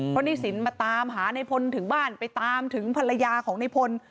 เพราะหนี้สินมาตามหาในพลถึงบ้านไปตามถึงภรรยาของในพล